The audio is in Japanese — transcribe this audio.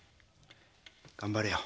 頑張れよ。